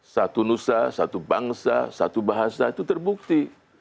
satu nusa satu bangsa satu bahasa itu terbukti